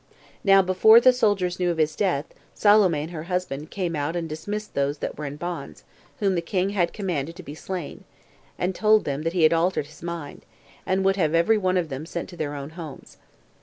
Now, before the soldiers knew of his death, Salome and her husband came out and dismissed those that were in bonds, whom the king had commanded to be slain, and told them that he had altered his mind, and would have every one of them sent to their own homes.